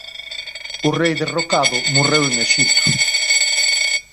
O rei derrocado morreu en Exipto.